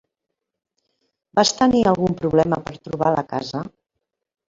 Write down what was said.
Vas tenir algun problema per trobar la casa?